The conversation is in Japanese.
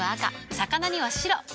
魚には白。